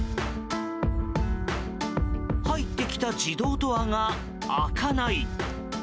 入ってきた自動ドアが開かない？